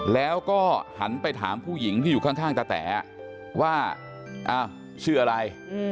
แล้วก็หันไปถามผู้หญิงที่อยู่ข้างตะแต๋ว่าชื่ออะไร